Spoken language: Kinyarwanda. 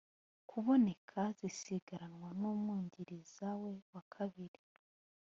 kuboneka zisigaranwa n umwungiriza we wa kabiri